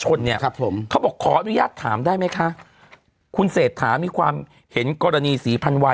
เนี่ยครับผมเขาบอกขออนุญาตถามได้ไหมคะคุณเศรษฐามีความเห็นกรณีศรีพันวาย